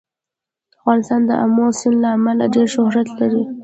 افغانستان د آمو سیند له امله ډېر شهرت لري.